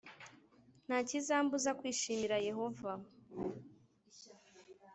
Nta kizambuza kwishimira Yehova